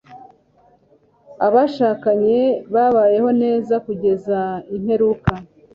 Abashakanye babayeho neza kugeza imperuka.